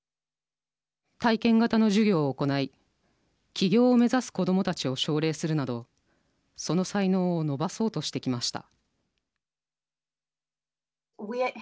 体験型の授業を行い起業を目指す子どもたちを奨励するなどその才能を伸ばそうとしてきました。